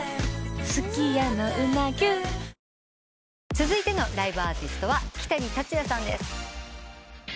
続いてのライブアーティストはキタニタツヤさんです。